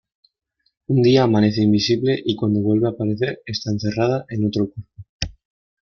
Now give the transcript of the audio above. Un día amanece invisible y cuando vuelve a aparecer está encerrada en otro cuerpo.